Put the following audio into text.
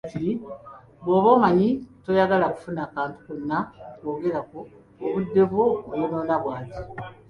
Bw'oba omanyi toyagala kufuna kantu konna mu kwogera okwo, obudde bwo oyonoona bwaki?